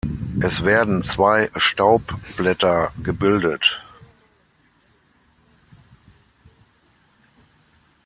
Es werden zwei Staubblätter gebildet.